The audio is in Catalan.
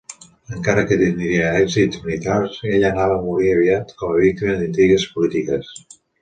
Encara que tindria èxits militars, ell anava a morir aviat com a víctima d'intrigues polítiques.